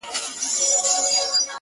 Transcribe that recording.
چي څوك تا نه غواړي،